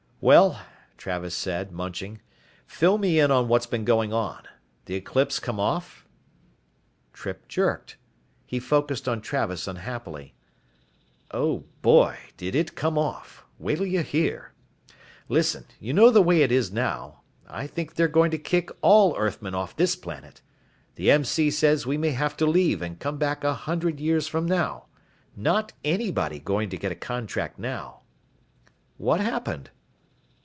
"Well," Travis said, munching, "fill me in on what's been going on. The eclipse come off?" Trippe jerked. He focussed on Travis unhappily. "Oh boy, did it come off. Wait'll you hear. Listen, you know the way it is now, I think they're going to kick all Earthmen off this planet. The M.C. says we may have to leave and come back a hundred years from now. Not anybody going to get a contract now." "What happened?"